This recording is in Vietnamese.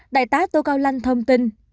đại tá tô cao lanh thông tin